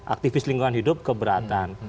aktivis lingkungan hidup keberatan